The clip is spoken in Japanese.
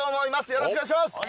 よろしくお願いします。